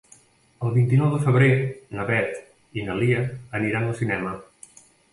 El vint-i-nou de febrer na Beth i na Lia aniran al cinema.